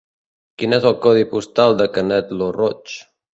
Quin és el codi postal de Canet lo Roig?